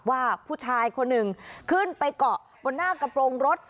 ว่าผู้ชายคนหนึ่งขึ้นไปเกาะบนหน้ากระโปรงรถ